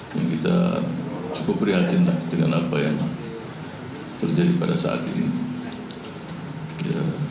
yang kita cukup prihatin dengan apa yang terjadi pada saat ini